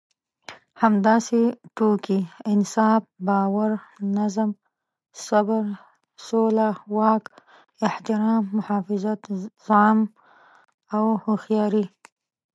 همداسې ټوکې، انصاف، باور، نظم، صبر، سوله، واک، احترام، محافظت، زغم او هوښياري.